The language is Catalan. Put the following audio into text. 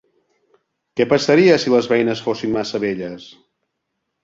Què passaria si les beines fossin massa velles?